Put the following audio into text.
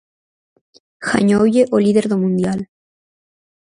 Gañoulle o líder do mundial.